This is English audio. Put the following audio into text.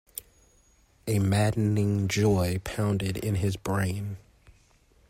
A maddening joy pounded in his brain.